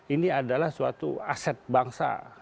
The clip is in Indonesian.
ini adalah suatu aset bangsa